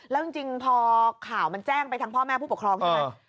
แล้วจริงพอข่าวมันแจ้งไปทั้งพ่อแม่ผู้ปกครองใช่ไหม